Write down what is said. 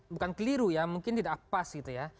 bukan keliru ya mungkin tidak pas gitu ya